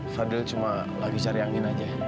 fadil cuma lagi cari angin aja